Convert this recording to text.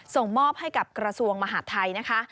ส่งมอบให้กับกระทรวงมหาดไทยนะคะ